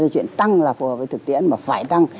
chuyện tăng là phù hợp với thực tiễn mà phải tăng